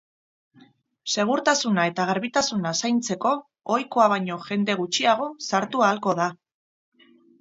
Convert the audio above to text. Segurtasuna eta garbitasuna zaintzeko, ohikoa baino jende gutxiago sartu ahalko da.